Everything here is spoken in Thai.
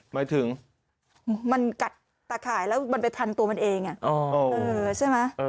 หมายถึงมันกัดตาข่ายแล้วมันไปทันตัวมันเองอ่ะอ๋อเออใช่ไหมเออ